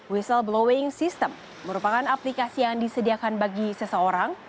whistle blowing system merupakan aplikasi yang disediakan bagi seseorang